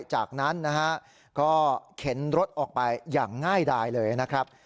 จากนั้นนะฮะก็เข็นรถออกไปอย่างง่ายดายเลยนะครับ